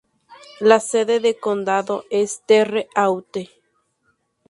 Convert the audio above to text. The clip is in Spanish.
La sede de condado es Terre Haute.